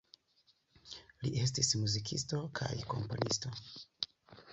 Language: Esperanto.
Li estas muzikisto kaj komponisto.